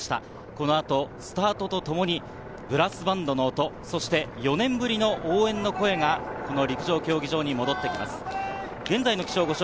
このあとスタートとともにプラスバンドの音、そして４年ぶりの応援の声がこの陸上競技場に戻ってきます。